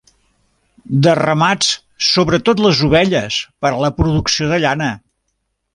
De ramats, sobretot les ovelles per a la producció de llana.